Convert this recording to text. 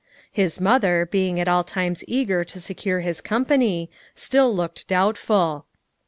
His mother, being at all times eager to secure his company, still looked doubtful.